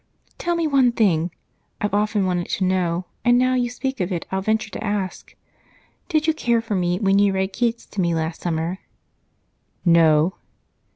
"Tell me one thing. I've often wanted to know, and now you speak of it I'll venture to ask. Did you care about me when you read Keats to me last summer?" "No."